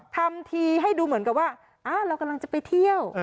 ทำทีให้ดูเหมือนกับว่าเรากำลังจะไปเที่ยว